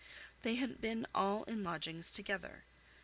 They had been all in lodgings together.